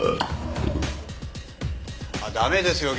駄目ですよ